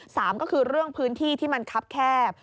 สามก็คือเรื่องพื้นที่ที่มันคับแคบ